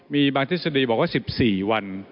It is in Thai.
มีบางทฤษฎีบอกว่า๑๔วัน